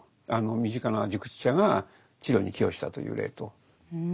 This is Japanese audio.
身近な熟知者が治療に寄与したという例と。